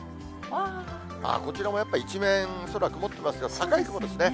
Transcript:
こちらもやっぱり、一面、空、曇ってますが、高い雲ですね。